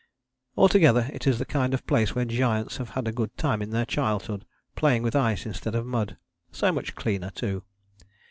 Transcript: Altogether it is the kind of place where giants have had a good time in their childhood, playing with ice instead of mud so much cleaner too!